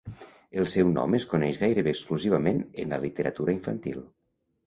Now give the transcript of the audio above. El seu nom es coneix gairebé exclusivament en la literatura infantil.